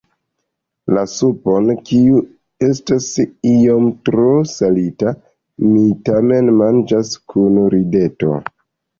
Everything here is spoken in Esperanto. La supon, kiu estas iom tro salita, mi tamen manĝas kun rideto.